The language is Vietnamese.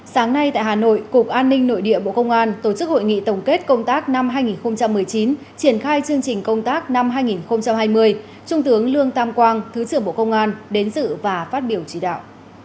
sáng nay tại hà nội cục an ninh nội địa bộ công an tổ chức hội nghị tổng kết công tác năm hai nghìn một mươi chín triển khai chương trình công tác năm hai nghìn hai mươi trung tướng lương tam quang thứ trưởng bộ công an đến dự và phát biểu chỉ đạo